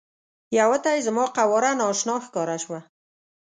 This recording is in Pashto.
یوه ته یې زما قواره نا اشنا ښکاره شوه.